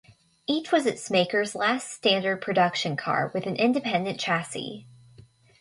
Each was its maker's last standard production car with an independent chassis.